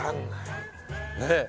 ねえ。